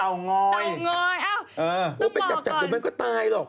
เอ้าต้องบอกก่อนเออไปจับเดี๋ยวมันก็ตายหรอก